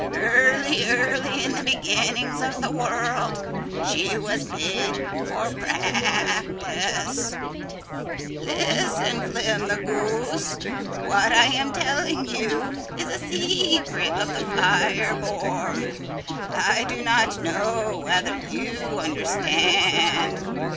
Early, early in the beginnings of the world she was made, for practice. "Listen, Flim the Goose. What I am telling you is a secret of the fire born. I do not know whether you understand.